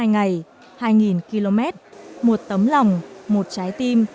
hai trăm tám mươi hai ngày hai km một tấm lòng một trái tim